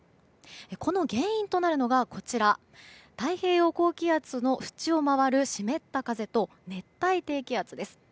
この原因となるのが太平洋高気圧のふちを回る湿った風と熱帯低気圧です。